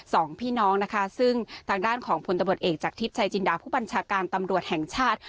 สองพี่น้องนะคะซึ่งทางด้านของพลตำรวจเอกจากธิปไชม์จินดา